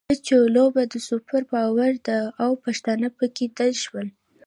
بچو! لوبه د سوپر پاور ده او پښتانه پکې دل شول.